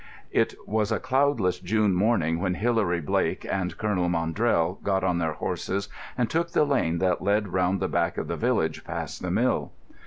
It was a cloudless June morning when Hilary Blake and Colonel Maundrell got on their horses and took the lane that led round the back of the village past the mill.